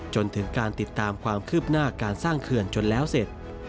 จนถึงการติดตามความคืบหน้าการสร้างเขื่อนจนแล้วเสร็จ